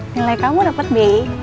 nilai kamu dapet b